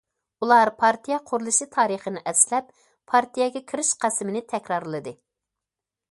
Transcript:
ئۇلار پارتىيە قۇرۇلۇشى تارىخىنى ئەسلەپ، پارتىيەگە كىرىش قەسىمىنى تەكرارلىدى.